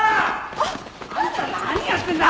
あっ！あんた何やってんだ！